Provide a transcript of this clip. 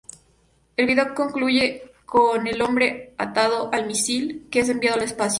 El video concluye con el hombre atado al misil, que es enviado al espacio.